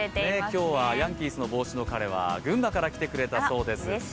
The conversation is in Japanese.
今日はヤンキースの帽子の彼は群馬から来てくれたそうです。